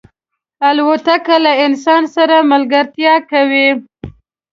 الوتکه له انسان سره ملګرتیا کوي.